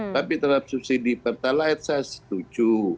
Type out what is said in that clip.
tapi terhadap subsidi pertalite saya setuju